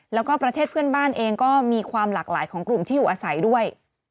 แล้วก็ประเทศเพื่อนบ้านเองก็มีความหลากหลายของกลุ่มที่อยู่อาศัยด้วย